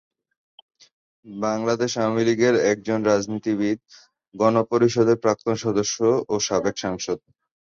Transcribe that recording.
বাংলাদেশ আওয়ামী লীগের একজন রাজনীতিবিদ, গণপরিষদের প্রাক্তন সদস্য ও সাবেক সাংসদ।